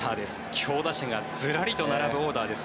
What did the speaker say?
強打者がズラリと並ぶオーダーです。